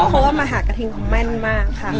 เพราะว่ามหากธิงมันแม่งมาก